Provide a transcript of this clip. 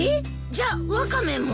じゃあワカメも？